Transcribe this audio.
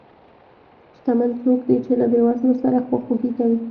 شتمن څوک دی چې له بې وزلو سره خواخوږي کوي.